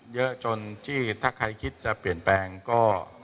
เยอะจนที่ถ้าใครคิดจะเปลี่ยนแปลงก็